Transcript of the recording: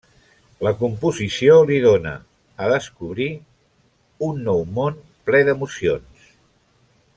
La composició li dóna a descobrir un nou món ple d'emocions.